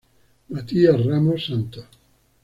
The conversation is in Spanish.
Matías Ramos Santos.